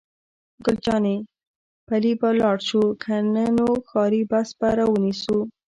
ګل جانې: پلي به ولاړ شو، که نه نو ښاري بس به را ونیسو.